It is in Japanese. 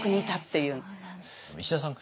石田さん